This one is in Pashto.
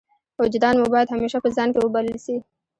وجدان مو باید همېشه په ځان کښي وبلل سي.